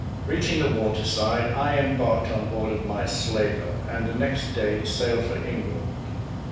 Reaching the water side, I embarked on board of my slaver; and the next day sailed for England.